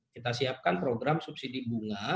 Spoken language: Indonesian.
kita siapkan program subsidi bunga